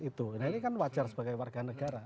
itu ini kan wajar sebagai warga negara